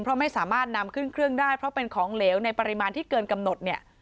เพราะไม่สามารถนำขึ้นเครื่องได้เพราะเป็นของเหลวในปริมาณที่เกินกำหนดเนี่ย